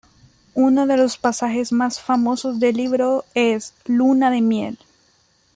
Uno de los pasajes más famosos del libro es "Luna de miel".